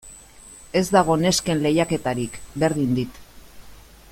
Ez dago nesken lehiaketarik, berdin dit.